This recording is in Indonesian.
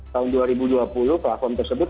tahun dua ribu dua puluh platform tersebut